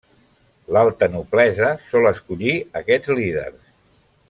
L'alta noblesa sol escollir aquests líders.